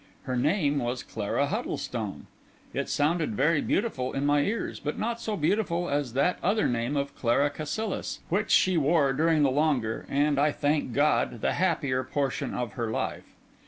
Her name was Clara Huddlestone: it sounded very beautiful in my ears; but not so beautiful as that other name of Clara Cassilis, which she wore during the longer and, I thank God, the happier portion of her life.